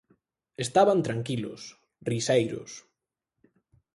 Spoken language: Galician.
Estaban tranquilos, riseiros.